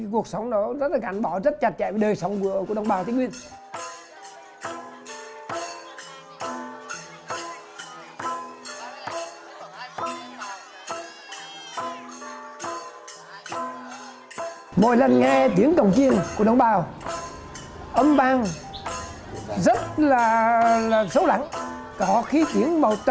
cuộc sống văn hóa của đồng bào rất nhiều